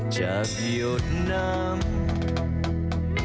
จากโยดน้ำ